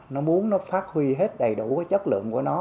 nó muốn nó phát huy hết đầy đủ cái chất lượng của nó